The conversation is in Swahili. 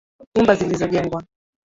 Nyumba zilizojengwa.